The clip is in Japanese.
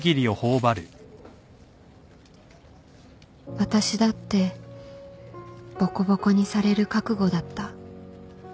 私だってボコボコにされる覚悟だった